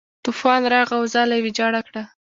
طوفان راغی او ځاله یې ویجاړه کړه.